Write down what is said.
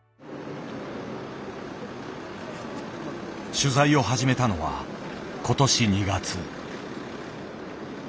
取材を始めたのは今年２月。